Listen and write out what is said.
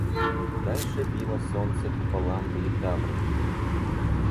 Дальше било солнце куполам в литавры.